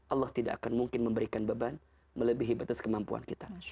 allah tidak akan mungkin memberikan beban melebihi batas kemampuan kita